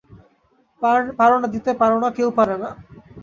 পার না দিতে, পার না, কেউ পারে না।